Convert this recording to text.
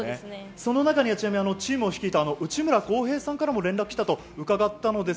その中にチームを率いた内村航平さんからも連絡がきたと伺いました。